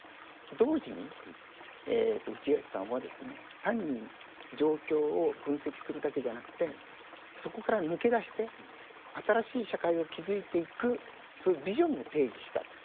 同時に内橋さんはですね単に状況を分析するだけじゃなくてそこから抜け出して新しい社会を築いていくそういうビジョンを提示したというふうに思います。